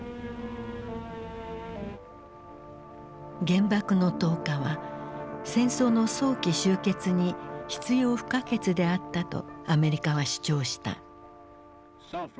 原爆の投下は戦争の早期終結に必要不可欠であったとアメリカは主張した。